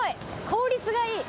効率がいい。